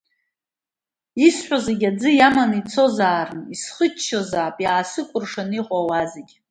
Исҳәоз зегьы аӡы иаманы ицозаарын, исхыччозаап иаасыкәыршаны иҟоу ауаа зегьы…